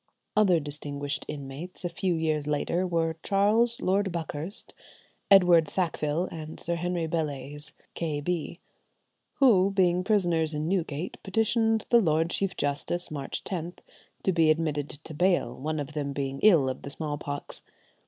Other distinguished inmates, a few years later, were Charles Lord Buckhurst, Edward Sackville, and Sir Henry Bellayse, K. B., who, being prisoners in Newgate, petitioned the Lord Chief Justice, March 10th, to be admitted to bail, one of them being ill of the smallpox.